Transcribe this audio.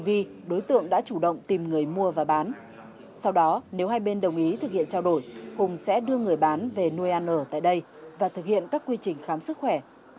vì đối tượng đã chủ động tìm người mua và bán sau đó nếu hai bên đồng ý thực hiện trao đổi hùng sẽ đưa người bán về nuôi ăn ở tại đây và thực hiện các quy trình khám sức khỏe